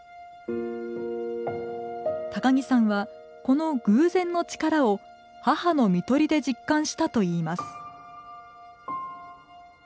高木さんはこの偶然の力を母の看取りで実感したと言います。